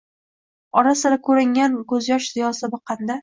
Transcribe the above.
ora-sira ko'ringan ko'z yosh ziyosida boqqanida